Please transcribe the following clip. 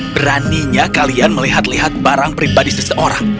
beraninya kalian melihat lihat barang pribadi seseorang